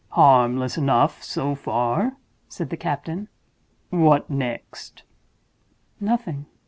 "Harmless enough, so far," said the captain. "What next?" "Nothing.